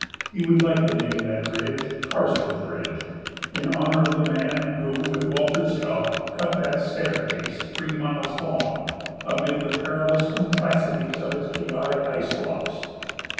He would like to name that ridge Karstens Ridge, in honor of the man who, with Walter's help, cut that staircase three miles long amid the perilous complexities of its chaotic ice blocks.